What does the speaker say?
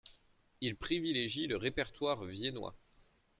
Il privilégie le répertoire viennois.